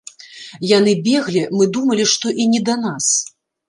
Яны беглі, мы думалі, што і не да нас.